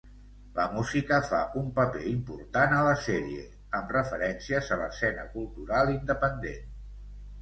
La música fa un paper important a la sèrie, amb referències a l'escena cultural independent.